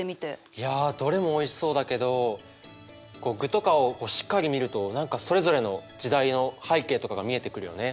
いやどれもおいしそうだけど具とかをしっかり見ると何かそれぞれの時代の背景とかが見えてくるよね。